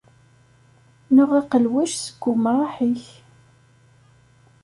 Neɣ aqelwac seg umraḥ-ik.